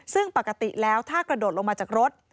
ซึ่งปกติแล้วถ้ากระโดดลงมาจากรถ